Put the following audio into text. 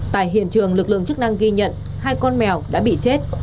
tại hiện trường lực lượng chức năng ghi nhận hai con mèo đã bị chết